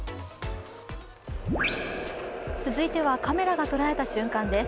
続いてはカメラが捉えた瞬間です。